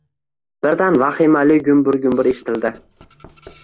Birdan vahimali gumbur-gumbur eshitildi